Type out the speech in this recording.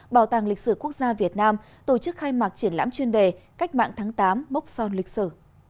bảo tàng lịch sử quốc gia việt nam tổ chức khai mạc triển lãm chuyên đề cách mạng tháng tám bốc son lịch sử